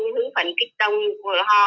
hướng phần kích tông của họ